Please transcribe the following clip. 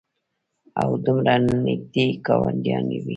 او دومره نېږدې ګاونډيان وي